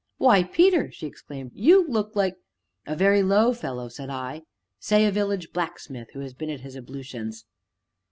"Why, Peter!" she exclaimed, "you look like " "A very low fellow!" said I, "say a village blacksmith who has been at his ablutions."